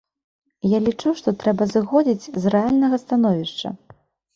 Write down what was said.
Я лічу, што трэба зыходзіць з рэальнага становішча.